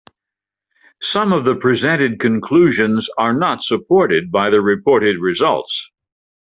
Some of the presented conclusions are not supported by the reported results.